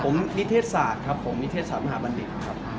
ผมนิเทศศาสตร์ครับผมนิเทศศาสตร์มหาบัณฑิตครับ